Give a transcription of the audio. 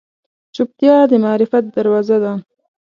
چوپتیا، د معرفت دروازه ده.